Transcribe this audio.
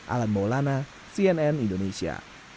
alan maulana cnn indonesia